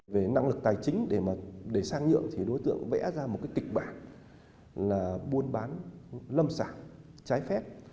về năng lực tài chính để sang nhượng thì đối tượng vẽ ra một kịch bản là buôn bán lâm sản trái phép